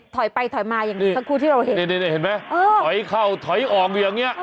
ถอยไปถอยมาอย่างนี้เห็นไหมถอยเข้าถอยออกอย่างนี้